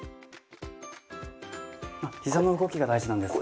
膝の動きが大事なんですか？